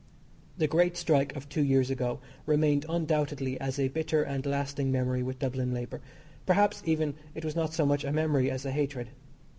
The great strike of two years ago remained undoubtedly as a bitter and lasting memory with Dublin labour perhaps, even, it was not so much a memory as a hatred.